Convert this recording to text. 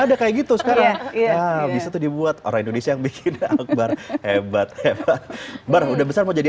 ada kayak gitu sekarang ya bisa tuh dibuat orang indonesia yang bikin akbar hebat hebat bar udah besar mau jadi